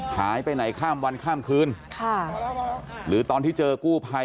หายไปไหนข้ามวันข้ามคืนค่ะหรือตอนที่เจอกู้ภัย